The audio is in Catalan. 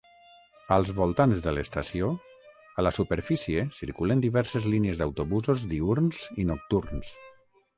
Als voltants de l'estació, a la superfície circulen diverses línies d'autobusos diürns i nocturns.